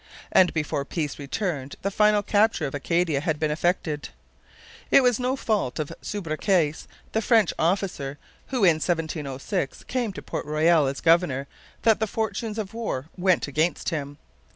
And before peace returned the final capture of Acadia had been effected. It was no fault of Subercase, the French officer who in 1706 came to Port Royal as governor, that the fortunes of war went against him.